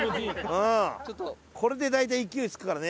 これで大体勢いつくからね